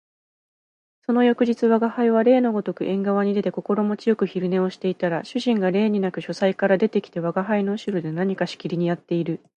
その翌日吾輩は例のごとく縁側に出て心持ち善く昼寝をしていたら、主人が例になく書斎から出て来て吾輩の後ろで何かしきりにやっている